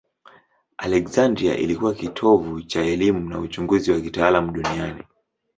Aleksandria ilikuwa kitovu cha elimu na uchunguzi wa kitaalamu duniani.